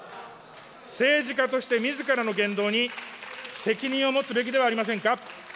政治家としてみずからの言動に責任を持つべきではありませんか。